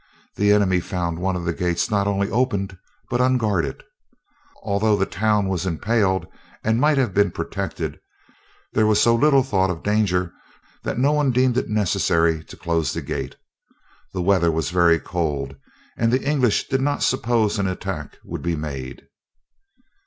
The enemy found one of the gates not only open, but unguarded. Although the town was impaled and might have been protected, there was so little thought of danger, that no one deemed it necessary to close the gate. The weather was very cold, and the English did not suppose an attack would be made.